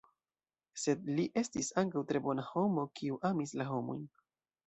Sed li estis ankaŭ tre bona homo, kiu amis la homojn.